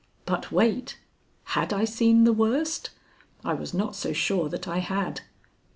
But wait! Had I seen the worst? I was not so sure that I had.